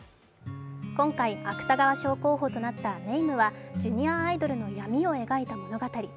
今回、芥川賞候補となった「＃＃ＮＡＭＥ＃＃」はジュニアアイドルの闇を描いた物語。